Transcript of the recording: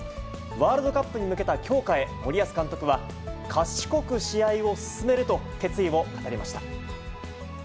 ワールドカップに向けた強化へ、森保監督は賢く試合を進めると、決意を語りました。